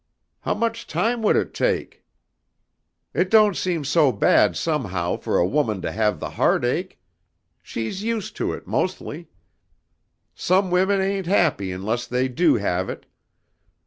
How much time would it take? "It don't seem so bad somehow for a woman to have the heartache. She's used to it, mostly. Some women ain't happy unless they do have it.